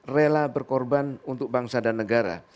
rela berkorban untuk bangsa dan negara